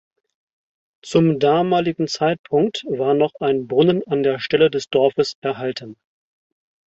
Zum damaligen Zeitpunkt war noch ein Brunnen an der Stelle des Dorfes erhalten.